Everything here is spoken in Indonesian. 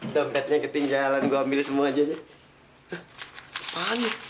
tempatnya ketinggalan gua ambil semua aja